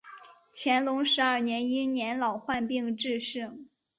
乾隆十二年因年老患病致仕。